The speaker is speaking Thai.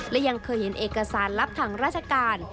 และยังเคยเห็นเอกสารลับทางราชการ